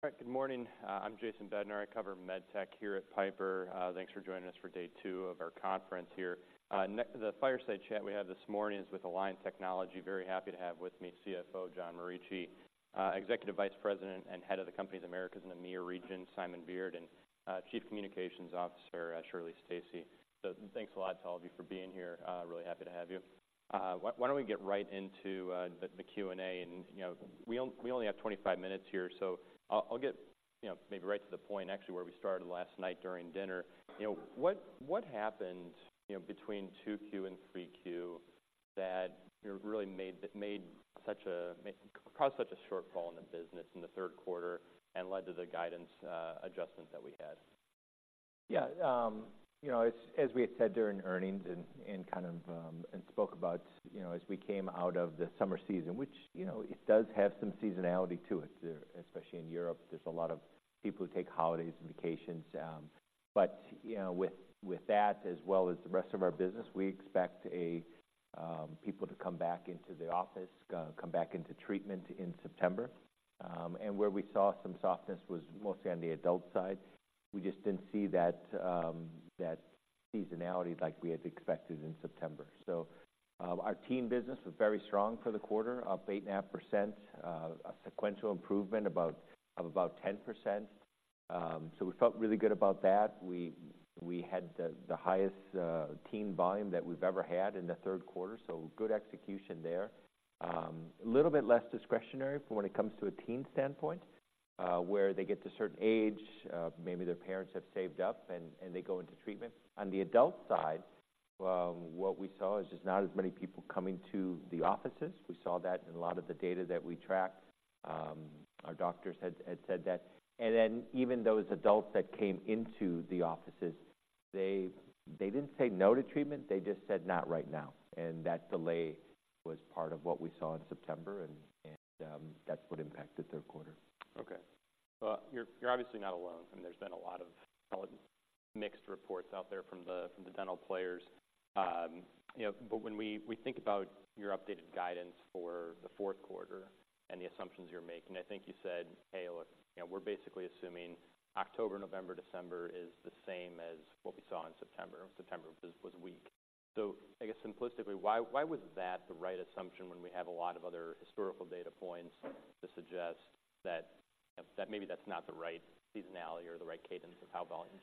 Good morning, I'm Jason Bednar. I cover MedTech here at Piper. Thanks for joining us for day 2 of our conference here. The fireside chat we have this morning is with Align Technology. Very happy to have with me CFO, John Morici, Executive Vice President and Head of the company's Americas and EMEA region, Simon Beard, and Chief Communications Officer, Shirley Stacy. So thanks a lot to all of you for being here. Really happy to have you. Why don't we get right into the Q&A, and you know, we only have 25 minutes here, so I'll get you know, maybe right to the point actually, where we started last night during dinner. You know, what happened, you know, between 2Q and 3Q that, you know, really caused such a shortfall in the business in the Q3 and led to the guidance adjustment that we had? Yeah, you know, as we had said during earnings and kind of spoke about, you know, as we came out of the summer season, which, you know, it does have some seasonality to it there, especially in Europe. There's a lot of people who take holidays and vacations. But, you know, with that, as well as the rest of our business, we expect people to come back into the office, come back into treatment in September. And where we saw some softness was mostly on the adult side. We just didn't see that seasonality like we had expected in September. So, our teen business was very strong for the quarter, up 8.5%, a sequential improvement of about 10%. So we felt really good about that. We had the highest teen volume that we've ever had in the Q3, so good execution there. A little bit less discretionary for when it comes to a teen standpoint, where they get to a certain age, maybe their parents have saved up, and they go into treatment. On the adult side, what we saw is just not as many people coming to the offices. We saw that in a lot of the data that we tracked. Our doctors had said that. And then even those adults that came into the offices, they didn't say no to treatment, they just said, "Not right now." And that delay was part of what we saw in September, and that's what impacted Q3. Okay. Well, you're obviously not alone, and there's been a lot of mixed reports out there from the dental players. You know, but when we think about your updated guidance for the Q4 and the assumptions you're making, I think you said, "Hey, look, you know, we're basically assuming October, November, December is the same as what we saw in September." September was weak. So I guess simplistically, why was that the right assumption when we have a lot of other historical data points to suggest that maybe that's not the right seasonality or the right cadence of how volumes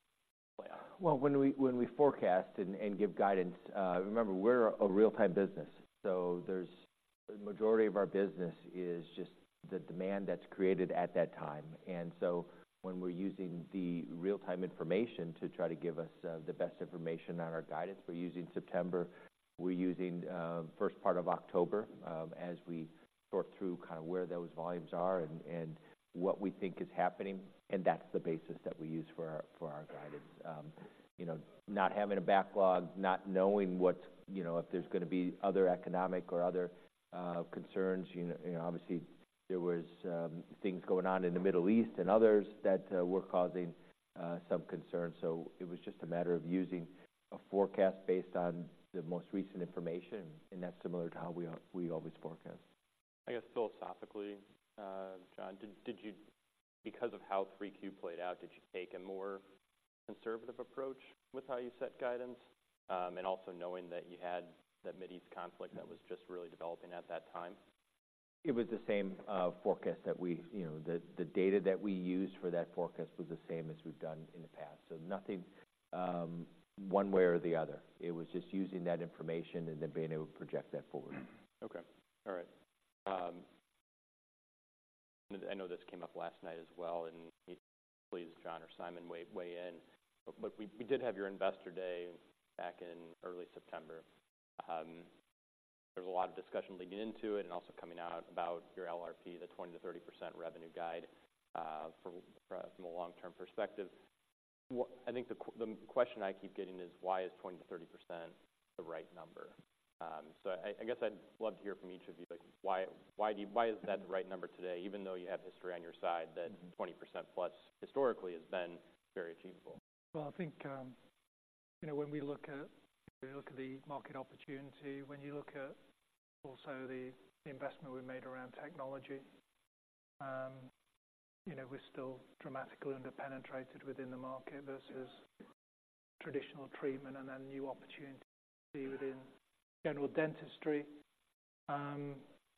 play out? Well, when we forecast and give guidance, remember, we're a real-time business, so there's the majority of our business is just the demand that's created at that time. And so when we're using the real-time information to try to give us the best information on our guidance, we're using September, we're using first part of October, as we sort through kind of where those volumes are and what we think is happening, and that's the basis that we use for our guidance. You know, not having a backlog, not knowing what's... You know, if there's gonna be other economic or other concerns, you know, obviously, there was things going on in the Middle East and others that were causing some concerns. It was just a matter of using a forecast based on the most recent information, and that's similar to how we always forecast. I guess philosophically, John, did you—because of how 3Q played out, did you take a more conservative approach with how you set guidance? And also knowing that you had the Middle East conflict that was just really developing at that time. It was the same forecast that we, you know, the data that we used for that forecast was the same as we've done in the past. So nothing, one way or the other. It was just using that information and then being able to project that forward. Okay. All right. I know this came up last night as well, and please, John or Simon, weigh in. But we did have your investor day back in early September. There was a lot of discussion leading into it and also coming out about your LRP, the 20%-30% revenue guide, from a long-term perspective. What-- I think the question I keep getting is, why is 20%-30% the right number? So I guess I'd love to hear from each of you. Like, why is that the right number today, even though you have history on your side, that 20% plus historically has been very achievable? Well, I think, you know, when we look at, when we look at the market opportunity, when you look at also the investment we've made around technology, you know, we're still dramatically underpenetrated within the market versus traditional treatment and then new opportunities within general dentistry.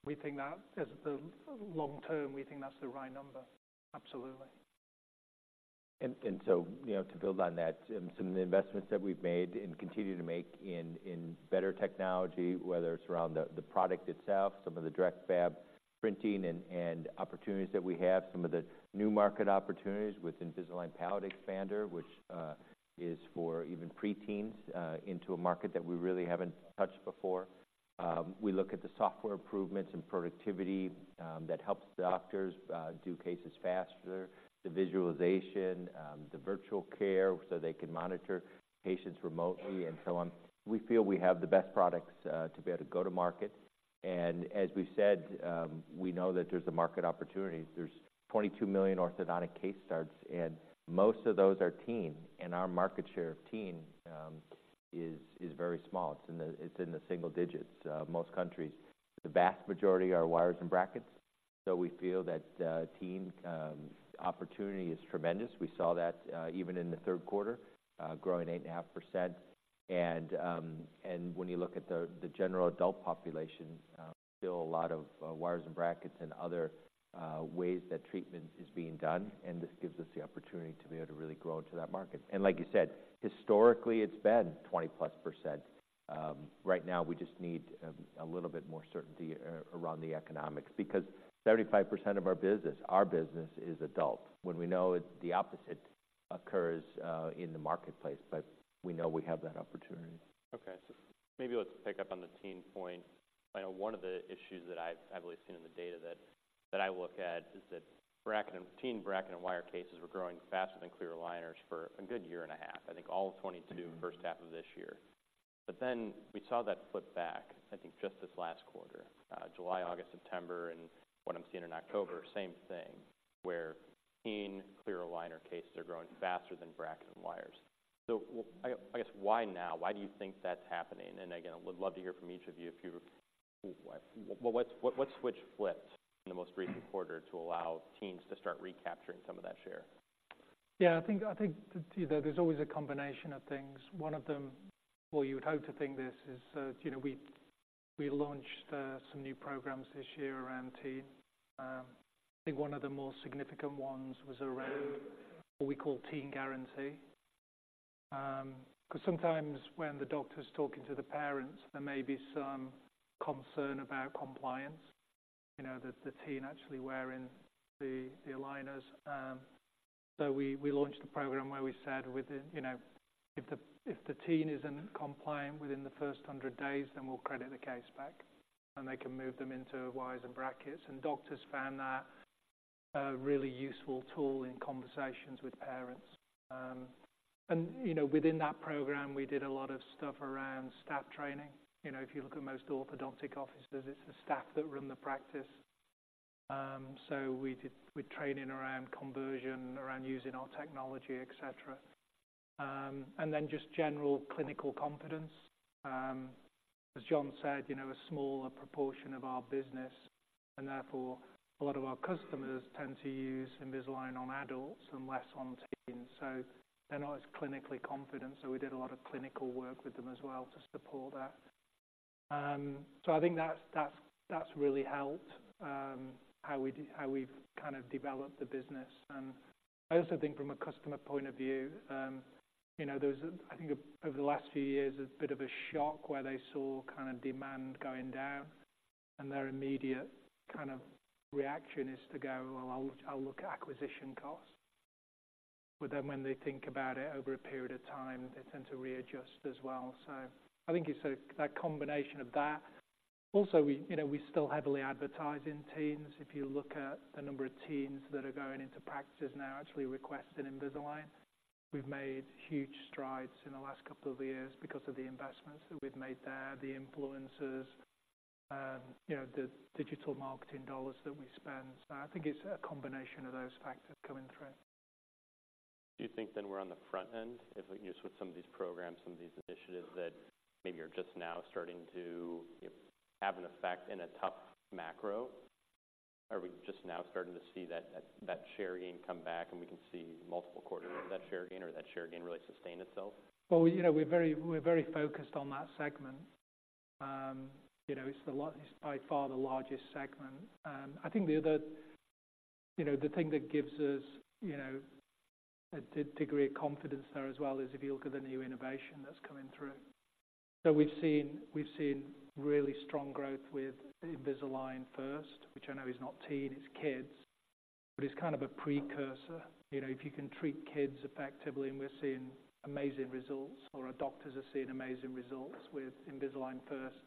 We think that as the long term, we think that's the right number. Absolutely. So, you know, to build on that, some of the investments that we've made and continue to make in better technology, whether it's around the product itself, some of the direct fab printing and opportunities that we have, some of the new market opportunities with Invisalign Palatal Expander, which is for even preteens into a market that we really haven't touched before. We look at the software improvements and productivity that helps doctors do cases faster, the visualization, the virtual care, so they can monitor patients remotely and so on. We feel we have the best products to be able to go to market, and as we've said, we know that there's a market opportunity. There's 22 million orthodontic case starts, and most of those are teen, and our market share of teen is very small. It's in the single digits most countries. The vast majority are wires and brackets, so we feel that teen opportunity is tremendous. We saw that even in the Q3 growing 8.5%. And when you look at the general adult population, still a lot of wires and brackets and other ways that treatment is being done, and this gives us the opportunity to be able to really grow into that market. And like you said, historically, it's been 20%+. Right now, we just need a little bit more certainty around the economics, because 35% of our business is adult. When we know it, the opposite occurs in the marketplace, but we know we have that opportunity. Okay, so maybe let's pick up on the teen point. I know one of the issues that I've always seen in the data that I look at is that brackets and teen brackets and wires cases were growing faster than clear aligners for a good year and a half, I think all of 2022- Mm-hmm First half of this year. But then we saw that flip back, I think, just this last quarter, July, August, September, and what I'm seeing in October, same thing, where teen clear aligner cases are growing faster than brackets and wires. So, I guess, why now? Why do you think that's happening? And again, I would love to hear from each of you, if you... What switch flipped in the most recent quarter to allow teens to start recapturing some of that share? Yeah, I think, I think that, you know, there's always a combination of things. One of them, well, you would hope to think this, is that, you know, we, we launched some new programs this year around teen. I think one of the more significant ones was around what we call Teen Guarantee. Because sometimes when the doctor's talking to the parents, there may be some concern about compliance, you know, the, the teen actually wearing the, the aligners. So we, we launched a program where we said within, you know, if the, if the teen isn't compliant within the first 100 days, then we'll credit the case back, and they can move them into wires and brackets. And doctors found that a really useful tool in conversations with parents. And, you know, within that program, we did a lot of stuff around staff training. You know, if you look at most orthodontic offices, it's the staff that run the practice. So we did training around conversion, around using our technology, et cetera. And then just general clinical confidence. As John said, you know, a smaller proportion of our business, and therefore, a lot of our customers tend to use Invisalign on adults and less on teens, so they're not as clinically confident, so we did a lot of clinical work with them as well to support that. So I think that's really helped, how we've kind of developed the business. I also think from a customer point of view, you know, there was, I think, over the last few years, a bit of a shock where they saw kind of demand going down, and their immediate kind of reaction is to go, "Well, I'll, I'll look at acquisition costs." But then when they think about it over a period of time, they tend to readjust as well. So I think it's that combination of that. Also, we, you know, we still heavily advertise in teens. If you look at the number of teens that are going into practices now, actually requesting Invisalign, we've made huge strides in the last couple of years because of the investments that we've made there, the influencers, you know, the digital marketing dollars that we spend. So I think it's a combination of those factors coming through. Do you think then we're on the front end, if, like, use with some of these programs, some of these initiatives that maybe are just now starting to, you know, have an effect in a tough macro? Are we just now starting to see that share gain come back, and we can see multiple quarters of that share gain or that share gain really sustain itself? Well, you know, we're very focused on that segment. You know, it's the largest, by far the largest segment. I think the other, you know, the thing that gives us, you know, a degree of confidence there as well, is if you look at the new innovation that's coming through. So we've seen really strong growth with Invisalign First, which I know is not teen, it's kids, but it's kind of a precursor. You know, if you can treat kids effectively, and we're seeing amazing results, or our doctors are seeing amazing results with Invisalign First.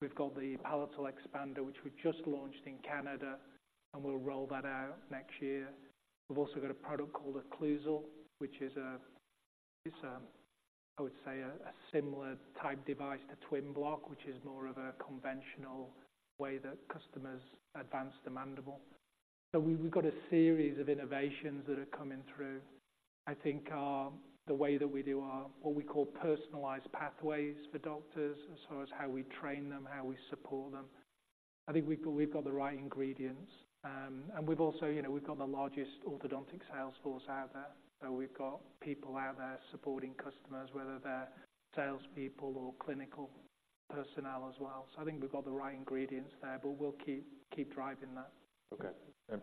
We've got the palatal expander, which we just launched in Canada, and we'll roll that out next year. We've also got a product called Occlusal, which is, it's a, I would say, a similar type device to Twin Block, which is more of a conventional way that customers advance the mandible. So we've got a series of innovations that are coming through, I think, the way that we do our, what we call, personalized pathways for doctors, as far as how we train them, how we support them. I think we've got the right ingredients. And we've also, you know, we've got the largest orthodontic sales force out there. So we've got people out there supporting customers, whether they're salespeople or clinical personnel as well. So I think we've got the right ingredients there, but we'll keep driving that. Okay.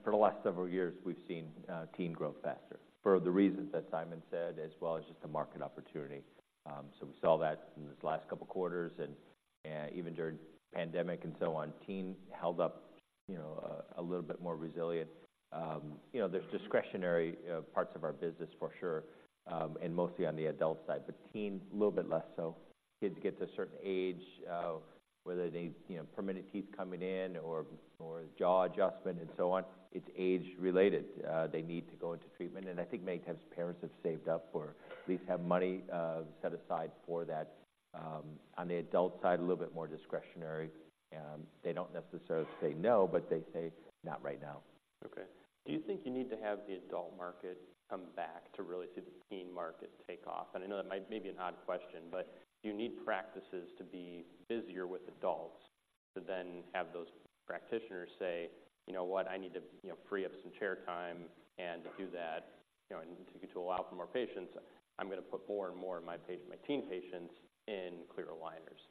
For the last several years, we've seen teen growth faster for the reasons that Simon said, as well as just the market opportunity. So we saw that in this last couple of quarters, and even during pandemic and so on, teen held up, you know, a little bit more resilient. You know, there's discretionary parts of our business for sure, and mostly on the adult side, but teen, a little bit less so. Kids get to a certain age, whether they, you know, permanent teeth coming in or jaw adjustment and so on, it's age-related, they need to go into treatment. And I think many times parents have saved up or at least have money set aside for that. On the adult side, a little bit more discretionary, they don't necessarily say no, but they say, "Not right now. Okay. Do you think you need to have the adult market come back to really see the teen market take off? And I know that might be an odd question, but you need practices to be busier with adults to then have those practitioners say, "You know what? I need to, you know, free up some chair time, and to do that, you know, and to allow for more patients, I'm gonna put more and more of my patient, my teen patients, in clear aligners.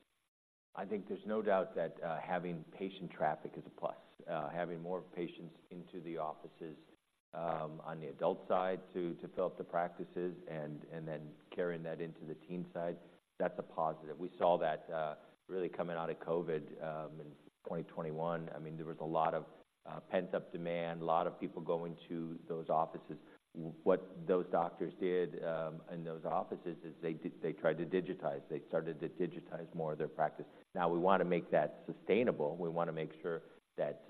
I think there's no doubt that having patient traffic is a plus. Having more patients into the offices on the adult side to fill up the practices and then carrying that into the teen side, that's a positive. We saw that really coming out of COVID in 2021. I mean, there was a lot of pent-up demand, a lot of people going to those offices. What those doctors did in those offices is they tried to digitize. They started to digitize more of their practice. Now, we wanna make that sustainable. We wanna make sure that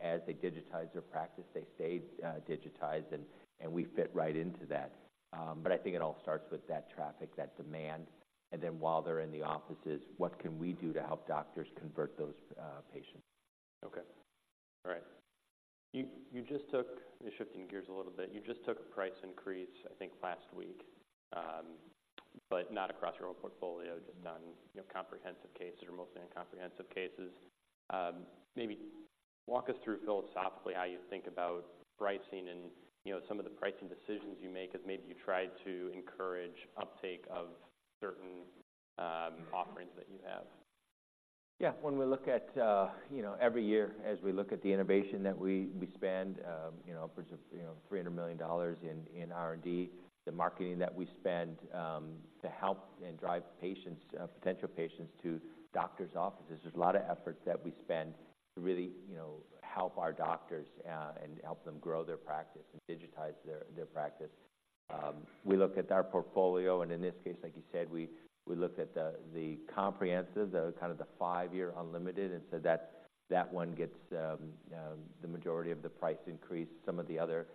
as they digitize their practice, they stay digitized, and we fit right into that. But I think it all starts with that traffic, that demand, and then while they're in the offices, what can we do to help doctors convert those patients? Okay. All right. You just took... Just shifting gears a little bit. You just took a price increase, I think, last week, but not across your whole portfolio, just on, you know, comprehensive cases or mostly on comprehensive cases. Maybe walk us through philosophically how you think about pricing and, you know, some of the pricing decisions you make, as maybe you try to encourage uptake of certain offerings that you have. Yeah. When we look at, you know, every year, as we look at the innovation that we spend, you know, upwards of $300 million in R&D, the marketing that we spend to help and drive patients, potential patients to doctors' offices. There's a lot of efforts that we spend to really, you know, help our doctors and help them grow their practice and digitize their practice. We look at our portfolio, and in this case, like you said, we looked at the comprehensive, the kind of the five-year unlimited, and so that one gets the majority of the price increase. Some of the other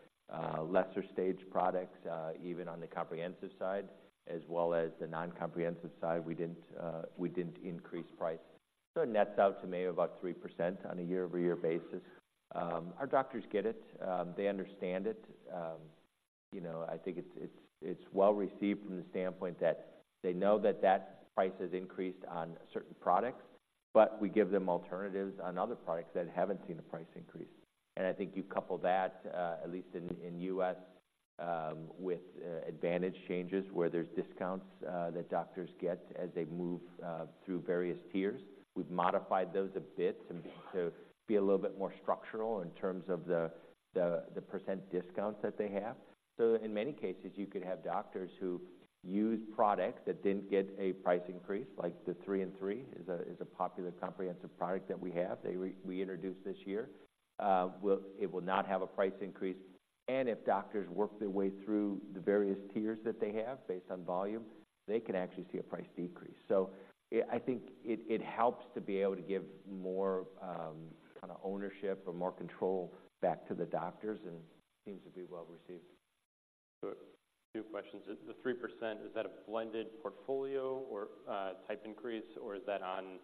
lesser stage products, even on the comprehensive side, as well as the non-comprehensive side, we didn't increase price. So it nets out to maybe about 3% on a year-over-year basis. Our doctors get it. They understand it. You know, I think it's well-received from the standpoint that they know that that price has increased on certain products, but we give them alternatives on other products that haven't seen a price increase. And I think you couple that, at least in the U.S., with Advantage changes, where there's discounts that doctors get as they move through various tiers. We've modified those a bit to be a little bit more structural in terms of the percent discounts that they have. So in many cases, you could have doctors who used products that didn't get a price increase, like the 3-and-3 is a popular comprehensive product that we introduced this year. Well, it will not have a price increase, and if doctors work their way through the various tiers that they have, based on volume, they can actually see a price decrease. So I think it helps to be able to give more kind of ownership or more control back to the doctors, and seems to be well-received. So two questions. The 3%, is that a blended portfolio or type increase, or is that on,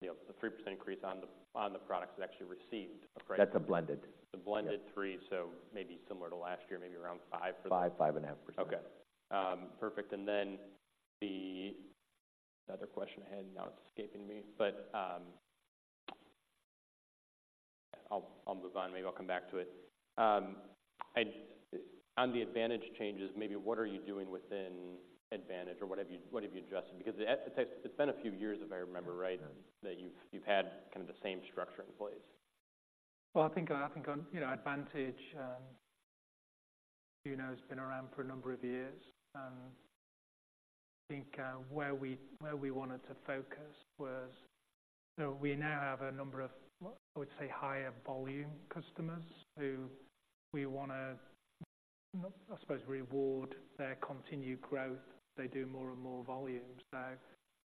you know, the 3% increase on the, on the products that actually received a price? That's a blended. It's a blended three- Yeah... so maybe similar to last year, maybe around five for the- 5%-5.5%. Okay. Perfect, and then the other question I had, now it's escaping me, but I'll move on, maybe I'll come back to it. On the Advantage changes, maybe what are you doing within Advantage or what have you, what have you adjusted? Because it's been a few years, if I remember right, that you've had kind of the same structure in place. Well, I think, I think on, you know, Advantage, you know, has been around for a number of years, and I think, where we, where we wanted to focus was... So we now have a number of, I would say, higher volume customers who we wanna, I suppose, reward their continued growth. They do more and more volumes, so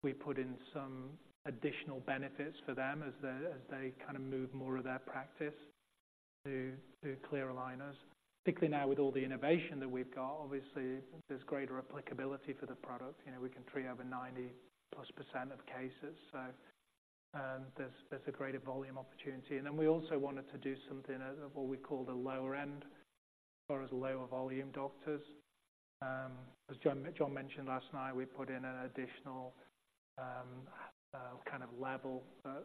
we put in some additional benefits for them as they, as they kind of move more of their practice to, to clear aligners. Particularly now with all the innovation that we've got, obviously, there's greater applicability for the product. You know, we can treat over 90%+ of cases, so, there's, there's a greater volume opportunity. And then we also wanted to do something at what we call the lower end, as far as lower volume doctors. As John mentioned last night, we put in an additional, kind of level,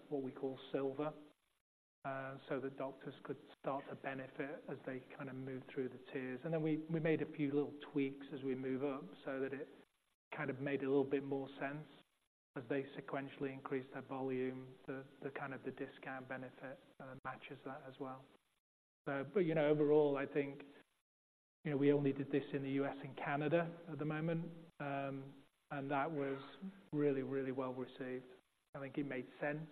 what we call Silver, so the doctors could start to benefit as they kind of move through the tiers. And then we made a few little tweaks as we move up, so that it kind of made a little bit more sense as they sequentially increase their volume, the kind of discount benefit matches that as well. But, you know, overall, I think, you know, we only did this in the U.S. and Canada at the moment, and that was really, really well-received. I think it made sense.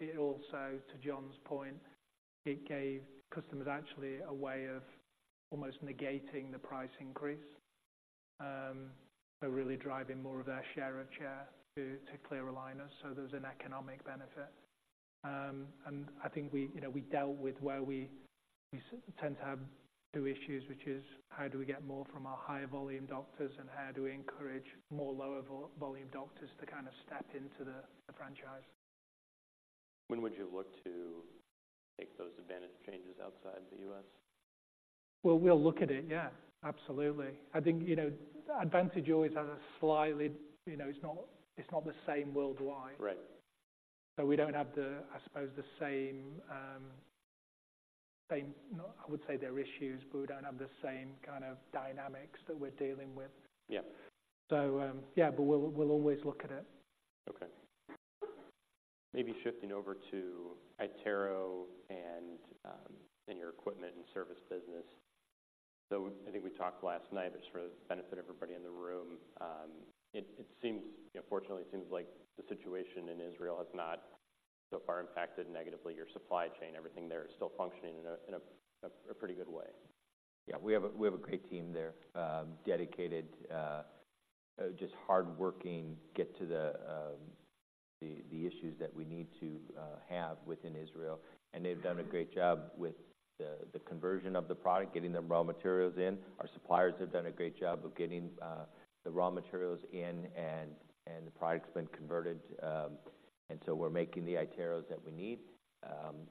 It also, to John's point, it gave customers actually a way of almost negating the price increase, so really driving more of their share of share to clear aligners, so there's an economic benefit. And I think we, you know, we dealt with where we tend to have two issues, which is: how do we get more from our higher volume doctors, and how do we encourage more lower volume doctors to kind of step into the franchise? When would you look to make those Advantage changes outside the U.S.? ...Well, we'll look at it, yeah, absolutely. I think, you know, Advantage always has a slightly, you know, it's not, it's not the same worldwide. Right. So we don't have the, I suppose, the same, I would say, their issues, but we don't have the same kind of dynamics that we're dealing with. Yeah. Yeah, but we'll always look at it. Okay. Maybe shifting over to iTero and your equipment and service business. So I think we talked last night, but just for the benefit of everybody in the room, it seems, you know, fortunately, it seems like the situation in Israel has not so far impacted negatively your supply chain. Everything there is still functioning in a pretty good way. Yeah, we have a great team there, dedicated, just hardworking, get to the issues that we need to have within Israel. And they've done a great job with the conversion of the product, getting the raw materials in. Our suppliers have done a great job of getting the raw materials in, and the product's been converted, and so we're making the iTeros that we need.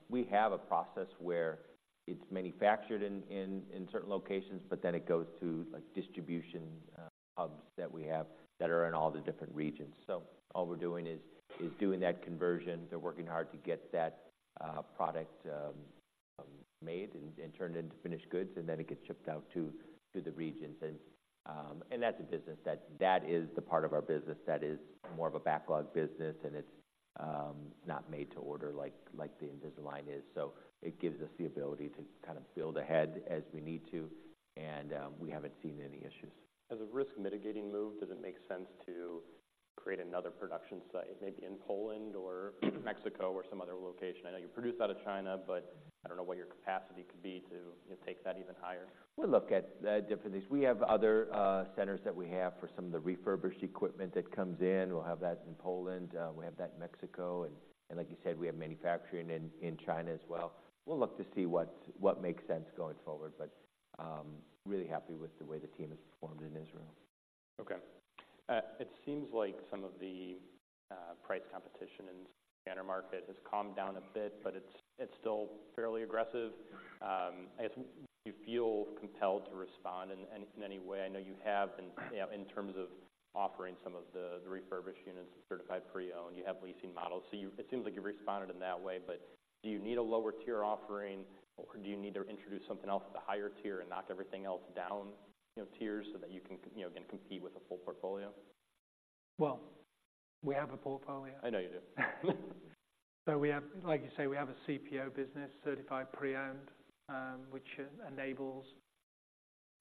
We have a process where it's manufactured in certain locations, but then it goes through, like, distribution hubs that we have that are in all the different regions. So all we're doing is doing that conversion. They're working hard to get that product made and turned into finished goods, and then it gets shipped out to the regions. That's a business that is the part of our business that is more of a backlog business, and it's not made to order like the Invisalign is. It gives us the ability to kind of build ahead as we need to, and we haven't seen any issues. As a risk mitigating move, does it make sense to create another production site, maybe in Poland or Mexico or some other location? I know you produce out of China, but I don't know what your capacity could be to take that even higher. We'll look at different things. We have other centers that we have for some of the refurbished equipment that comes in. We'll have that in Poland, we have that in Mexico, and like you said, we have manufacturing in China as well. We'll look to see what makes sense going forward, but really happy with the way the team has performed in Israel. Okay. It seems like some of the price competition in the scanner market has calmed down a bit, but it's still fairly aggressive. I guess, do you feel compelled to respond in any way? I know you have in terms of offering some of the refurbished units, Certified Pre-Owned, you have leasing models. So you. It seems like you've responded in that way, but do you need a lower tier offering, or do you need to introduce something else at the higher tier and knock everything else down, you know, tiers, so that you can, you know, can compete with a full portfolio? Well, we have a portfolio. I know you do. So we have—like you say, we have a CPO business, Certified Pre-Owned, which enables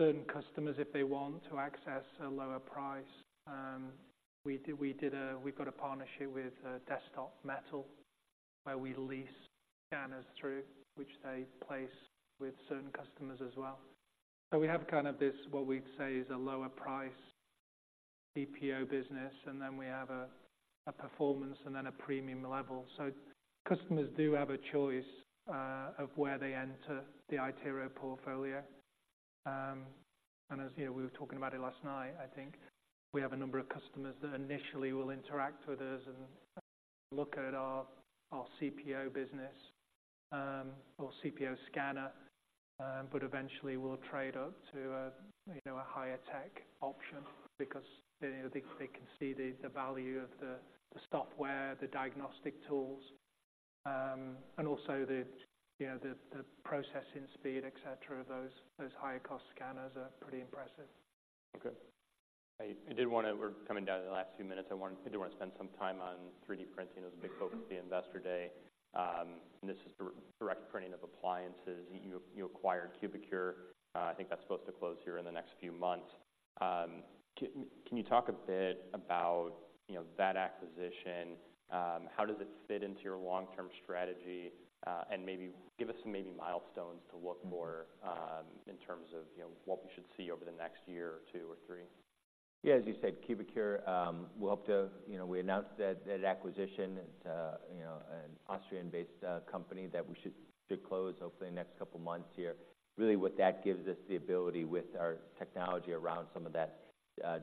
certain customers, if they want, to access a lower price. We've got a partnership with Desktop Metal, where we lease scanners through, which they place with certain customers as well. So we have kind of this, what we'd say, is a lower price CPO business, and then we have a performance and then a premium level. So customers do have a choice of where they enter the iTero portfolio. As you know, we were talking about it last night, I think, we have a number of customers that initially will interact with us and look at our CPO business or CPO scanner, but eventually will trade up to a higher tech option because, you know, they can see the value of the software, the diagnostic tools, and also the processing speed, et cetera, of those. Those higher-cost scanners are pretty impressive. Okay. I did want to... We're coming down to the last few minutes. I did want to spend some time on 3D printing. It was a big focus of the investor day. And this is the direct printing of appliances. You acquired Cubicure. I think that's supposed to close here in the next few months. Can you talk a bit about, you know, that acquisition? How does it fit into your long-term strategy? And maybe give us some maybe milestones to look for, in terms of, you know, what we should see over the next year or two or three. Yeah, as you said, Cubicure will help to... You know, we announced that acquisition. It's a, you know, an Austrian-based company that we should close hopefully in the next couple of months here. Really, what that gives us the ability with our technology around some of that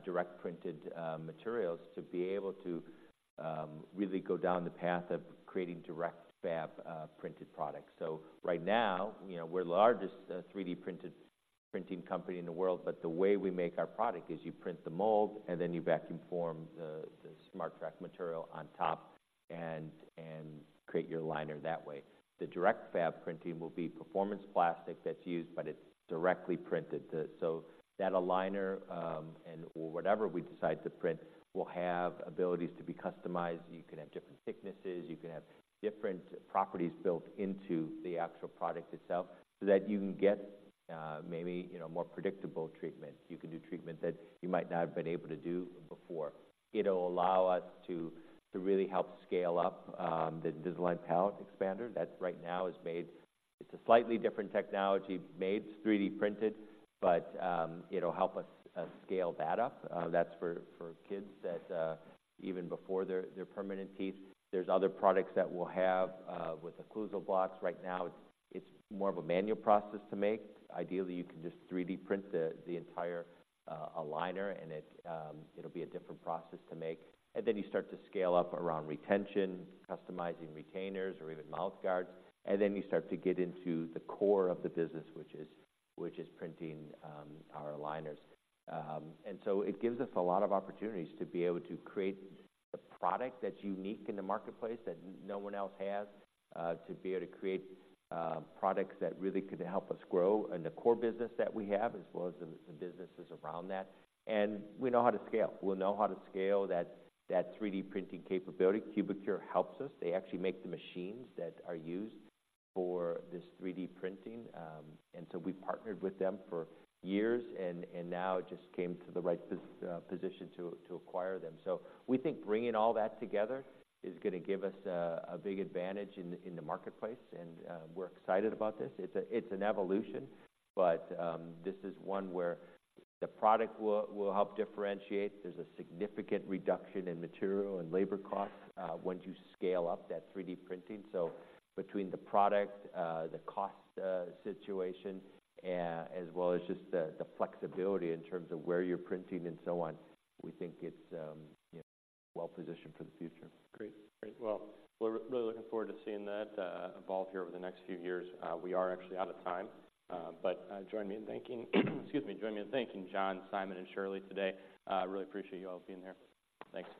direct printed materials, to be able to really go down the path of creating direct fab printed products. So right now, you know, we're the largest 3D printing company in the world, but the way we make our product is you print the mold, and then you vacuum form the SmartTrack material on top and create your aligner that way. The direct fab printing will be performance plastic that's used, but it's directly printed. So that aligner, and/or whatever we decide to print, will have abilities to be customized. You can have different thicknesses, you can have different properties built into the actual product itself, so that you can get, maybe, you know, more predictable treatment. You can do treatment that you might not have been able to do before. It'll allow us to really help scale up the Invisalign Palatal Expander. That, right now, is made. It's a slightly different technology made, it's 3D printed, but, it'll help us scale that up. That's for kids that even before their permanent teeth. There's other products that we'll have with occlusal blocks. Right now, it's more of a manual process to make. Ideally, you can just 3D print the entire aligner, and it'll be a different process to make. And then you start to scale up around retention, customizing retainers, or even mouth guards, and then you start to get into the core of the business, which is printing our aligners. And so it gives us a lot of opportunities to be able to create a product that's unique in the marketplace, that no one else has, to be able to create products that really could help us grow in the core business that we have, as well as the businesses around that. And we know how to scale. We'll know how to scale that 3D printing capability. Cubicure helps us. They actually make the machines that are used for this 3D printing, and so we partnered with them for years, and now it just came to the right position to acquire them. So we think bringing all that together is gonna give us a big advantage in the marketplace, and we're excited about this. It's an evolution, but this is one where the product will help differentiate. There's a significant reduction in material and labor costs once you scale up that 3D printing. So between the product, the cost situation, as well as just the flexibility in terms of where you're printing and so on, we think it's, you know, well positioned for the future. Great. Great. Well, we're really looking forward to seeing that evolve here over the next few years. We are actually out of time, but join me in thanking, excuse me. Join me in thanking John, Simon, and Shirley today. I really appreciate you all being here. Thanks.